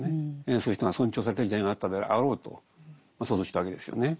そういう人が尊重された時代があったであろうと想像したわけですよね。